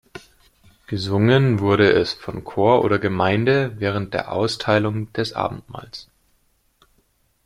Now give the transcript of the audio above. Gesungen wurde es von Chor oder Gemeinde während der Austeilung des Abendmahls.